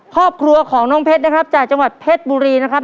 ครอบครัวของน้องเพชรนะครับจากจังหวัดเพชรบุรีนะครับ